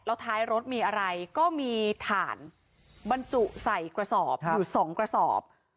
แล้วท้ายรถมีอะไรก็มีถ่านบรรจุใส่กระสอบอยู่๒กระสอบ